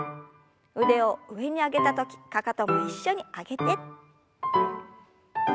腕を上に上げた時かかとも一緒に上げて。